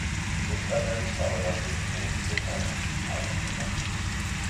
ეს ტაძარი სავარაუდოდ მეექვსე საუკუნით თარიღდება.